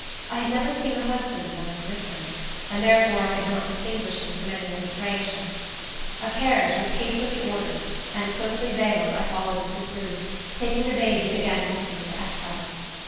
I had never seen the husband of my young mistress, and therefore I could not distinguish him from any other stranger. A carriage was hastily ordered; and, closely veiled, I followed Mrs. Bruce, taking the baby again with me into exile.